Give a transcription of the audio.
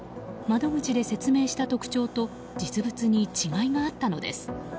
窓口で説明した特徴と実物に違いがあったのです。